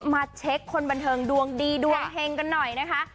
มาเช็คคนบันเทิงดวงดีดวงเฮงกันหน่อยนะคะ